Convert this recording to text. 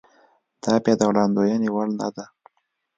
دا بیا د وړاندوېنې وړ نه ده.